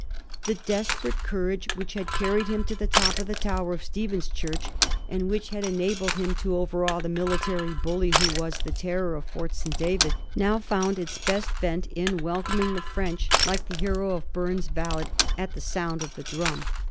The desperate cour age which had Qarried him to the top of the tower of* Stephen's church, and which had enabled him to overawe the " military bully who was the terror of Fort St. David," now found its best vent in " welcoming the French," like the hero of Burns's ballad, ^^ at the sound of the drum."